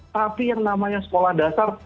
tapi yang namanya sekolah dasar